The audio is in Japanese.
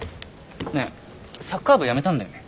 ねえサッカー部辞めたんだよね？